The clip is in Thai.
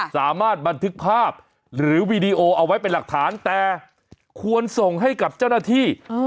สามารถบันทึกภาพหรือวีดีโอเอาไว้เป็นหลักฐานแต่ควรส่งให้กับเจ้าหน้าที่